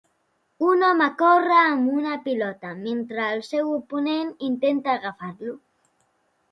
Un home corre amb una pilota mentre el seu oponent intenta agafar-lo.